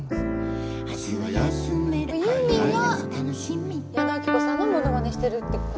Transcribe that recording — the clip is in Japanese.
ユーミンが矢野顕子さんのものまねしてるってこと？